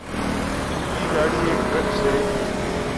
ان کی گاڑی ایک ٹرک سے